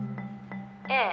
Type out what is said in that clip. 「ええ。